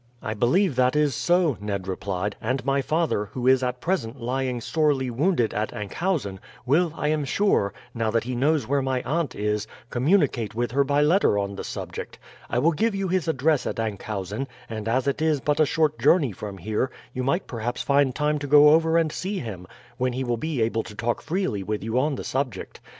"I believe that is so," Ned replied; "and my father, who is at present lying sorely wounded at Enkhuizen, will, I am sure, now that he knows where my aunt is, communicate with her by letter on the subject. I will give you his address at Enkhuizen, and as it is but a short journey from here you might perhaps find time to go over and see him, when he will be able to talk freely with you on the subject.